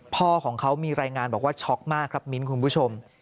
พ่อของเขามีรายงานบอกว่าช็อกมากครับมิ้นคุณผู้ชม